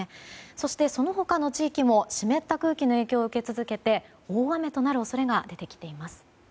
そして、その他の地域も湿った空気の影響を受け続けて大雨となる恐れが出てきています。